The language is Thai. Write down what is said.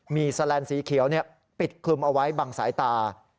มีแสลนด์สีเขียวปิดคลุมเอาไว้บังสายตา